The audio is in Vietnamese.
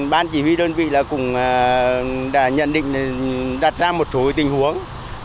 ban chỉ huy đơn vị cũng đã nhận định đặt ra một số tình huống